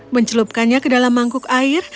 mencelupkannya ke dalam mangkuk air